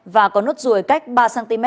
và có nốt ruồi cách ba cm